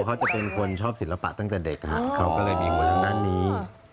เขาจะเป็นคนชอบศิลปะตั้งแต่เด็กเขาก็เลยมีมวยทางด้านนี้